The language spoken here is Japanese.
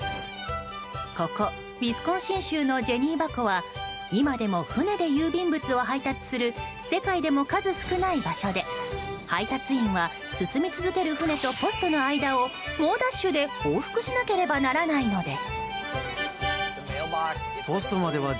ここウィスコンシン州のジャニーバ湖は今でも船で郵便物を配達する世界でも数少ない場所で配達員は進み続ける船とポストの間を猛ダッシュで往復しなければならないのです。